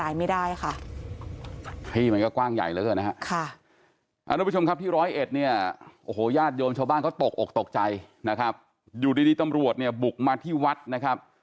อยู่ดีตำรวจบุกมาที่วัดนะครับ